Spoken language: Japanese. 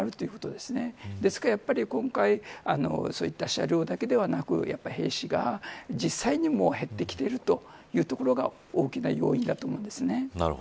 ですから、やはり今回そういった車両だけではなく兵士が実際に減ってきているというところが大きな要因だと思いますね。